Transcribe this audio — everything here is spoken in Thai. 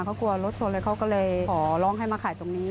เขากลัวรถชนเลยเขาก็เลยขอร้องให้มาขายตรงนี้